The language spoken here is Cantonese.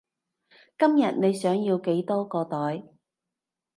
今日你想要幾多個袋？